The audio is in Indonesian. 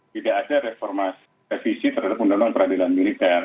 tidak ada reformasi revisi terhadap undang undang peradilan militer